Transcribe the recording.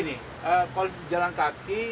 jadi gini koalisi penjalan kaki